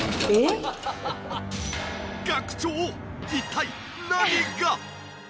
一体何が！？